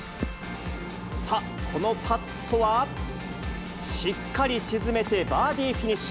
さあ、このパットは、しっかり沈めてバーディーフィニッシュ。